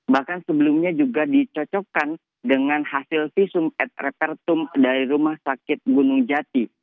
bahkan sebelumnya juga dicocokkan dengan hasil visum ed repertum dari rumah sakit gunung jati